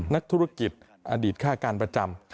นักธุรกิจอดีตค่าการประจำ